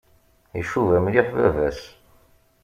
Icuba mliḥ baba-s.